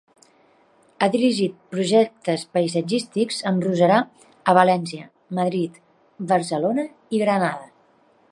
Ha dirigit projectes paisatgístics amb roserar a València, Madrid, Barcelona i Granada.